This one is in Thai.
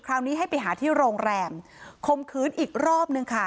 คราวนี้ให้ไปหาที่โรงแรมคมคืนอีกรอบนึงค่ะ